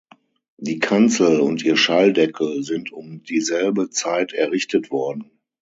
Die Kanzel und ihr Schalldeckel sind um dieselbe Zeit errichtet worden.